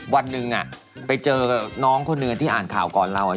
วันหนึ่งไปเจอกับน้องคนหนึ่งที่อ่านข่าวก่อนเรา